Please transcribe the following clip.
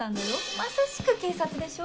まさしく警察でしょ。